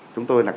chúng tôi là